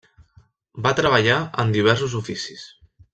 Va treballar en diversos oficis.